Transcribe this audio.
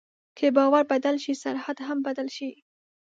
که باور بدل شي، سرحد هم بدل شي.